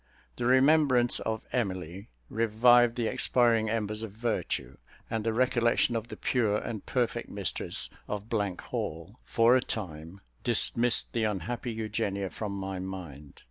The remembrance of Emily revived the expiring embers of virtue; and the recollection of the pure and perfect mistress of Hall, for a time, dismissed the unhappy Eugenia from my mind.